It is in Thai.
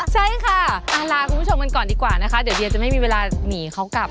ใช่ครับผมขอบคุณครับพี่นี่ครับ